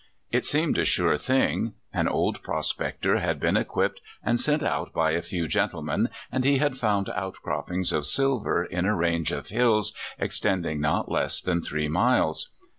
It seemed a sure thing. An old prospector had been equipped and sent out by a few gentlemen, and he had found outcroppings of silver in a range of hills extending not less than three miles.